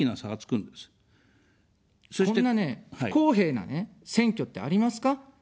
こんなね、不公平なね、選挙ってありますか。